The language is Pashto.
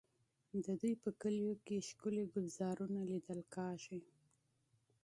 د دوی په کلیو کې ښکلي ګلزارونه لیدل کېږي.